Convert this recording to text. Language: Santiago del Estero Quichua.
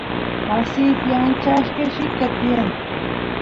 wasiypi ancha achka llika tiyan